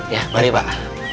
ya baik pak